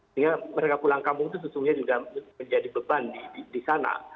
sehingga mereka pulang kampung itu sesungguhnya juga menjadi beban di sana